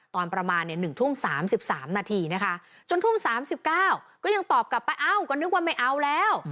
ตอนประมาณ๑ทุ่ม๓๓นาทีนะคะจนทุ่ม๓๙ก็ยังตอบกลับไปเอ้าก็นึกว่าไม่เอาแล้ว